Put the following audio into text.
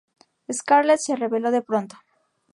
Scarlet se reveló de pronto.